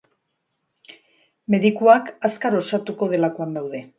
Medikuak azkar osatuko delakoan daude.